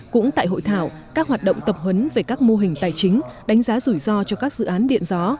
cũng tại hội thảo các hoạt động tập huấn về các mô hình tài chính đánh giá rủi ro cho các dự án điện gió